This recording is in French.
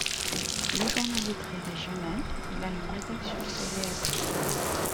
Le journal est très régional, il a une rédaction basée à Tours.